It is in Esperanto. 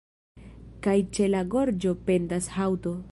Kaj ĉe la gorĝo pendas haŭto.